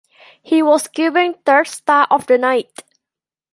He was given third star of the night.